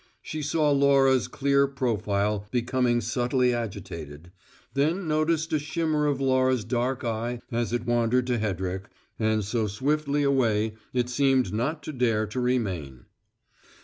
She saw Laura's clear profile becoming subtly agitated; then noticed a shimmer of Laura's dark eye as it wandered to Hedrick and so swiftly away it seemed not to dare to remain.